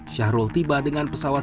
syahrul tiba dengan pesawat